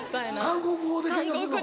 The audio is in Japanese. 韓国語でケンカすんの？